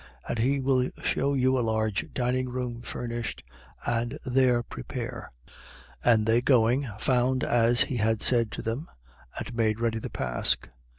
22:12. And he will shew you a large dining room, furnished. And there prepare. 22:13. And they going, found as he had said to them and made ready the pasch.